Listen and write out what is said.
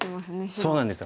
そうなんですよ。